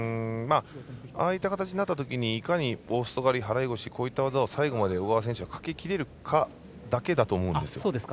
ああいった形になったときにいかに大外刈り、払い腰こういった技を最後まで小川選手がかけきれるかだと思うんです。